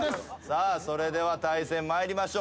さあそれでは対戦参りましょう。